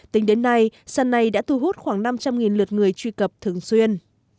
tính đến nay sàn này đã thu hút khoảng năm trăm linh lượt người truy cập thường xuyên